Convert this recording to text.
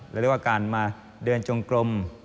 เรียกว่าการมาเดินจงกลม